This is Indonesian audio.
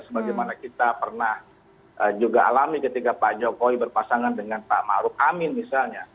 sebagaimana kita pernah juga alami ketika pak jokowi berpasangan dengan pak ⁇ maruf ⁇ amin misalnya